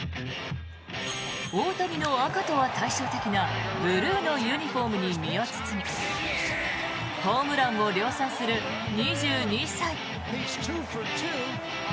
大谷の赤とは対照的なブルーのユニホームに身を包みホームランを量産する２２歳。